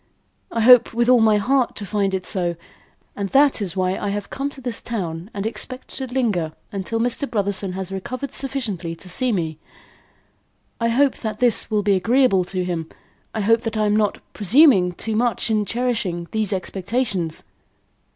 I hope with all my heart to find it so, and that is why I have come to this town and expect to linger till Mr. Brotherson has recovered sufficiently to see me. I hope that this will be agreeable to him. I hope that I am not presuming too much in cherishing these expectations."